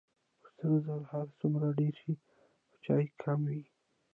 که سره زر هر څومره ډیر شي او چای کم وي.